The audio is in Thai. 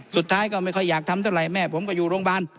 สุดท้ายก็ไม่ค่อยอยากทำเท่าไหร่แม่ผมก็อยู่โรงพยาบาล